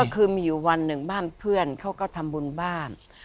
คือมีอยู่วันหนึ่งบ้านเพื่อนเขาก็ทำบุญบ้าน